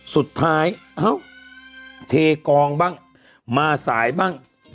สุดท้ายเอ้าเทกองบ้างมาสายบ้าง